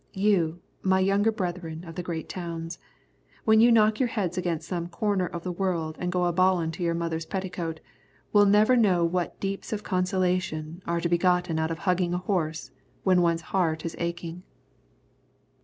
You, my younger brethren of the great towns, when you knock your heads against some corner of the world and go a bawling to your mother's petticoat, will never know what deeps of consolation are to be gotten out of hugging a horse when one's heart is aching.